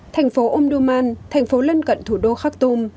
thành phố omdurman thành phố lân cận thủ đô khartoum